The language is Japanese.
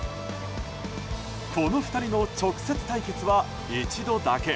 この２人の直接対決は一度だけ。